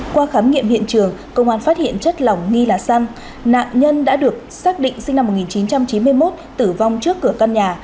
qua khám nghiệm hiện trường công an phát hiện chất lỏng nghi là xăng nạn nhân đã được xác định sinh năm một nghìn chín trăm chín mươi một tử vong trước cửa căn nhà